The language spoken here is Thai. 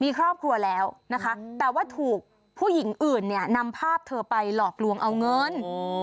มีครอบครัวแล้วนะคะแต่ว่าถูกผู้หญิงอื่นเนี่ยนำภาพเธอไปหลอกลวงเอาเงิน